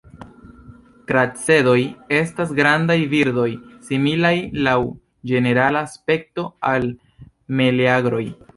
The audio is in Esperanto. Kracedoj estas grandaj birdoj, similaj laŭ ĝenerala aspekto al meleagroj.